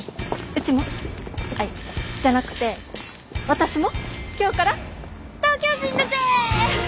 うちもアイじゃなくて私も今日から東京人だぜ！